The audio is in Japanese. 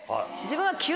自分は。